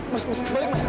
mas mas balik mas